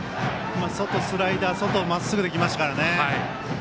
外スライダー外まっすぐで、きましたからね。